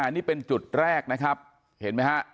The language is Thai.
นี่เป็นจุดแรกนะครับเห็นไหมฮะ